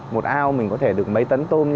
một ao mình có thể được mấy tấn tôm